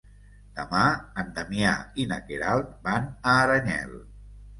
Demà en Damià i na Queralt van a Aranyel.